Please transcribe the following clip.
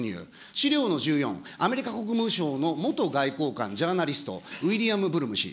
資料の１４、アメリカ国務省の元外交官、ジャーナリスト、ウィリアム・ブルム氏。